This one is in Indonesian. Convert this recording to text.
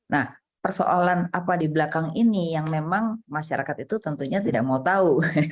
nah persoalan apa di belakang ini yang memang masyarakat itu tentunya tidak mau tahu